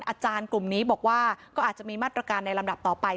อาจารย์กลุ่มนี้บอกว่าก็อาจจะมีมาตรการในลำดับต่อไป